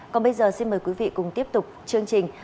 còn bây giờ xin mời quý vị cùng tiếp tục chương trình